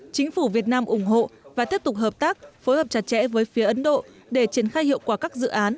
chính phủ việt nam ủng hộ và tiếp tục hợp tác phối hợp chặt chẽ với phía ấn độ để triển khai hiệu quả các dự án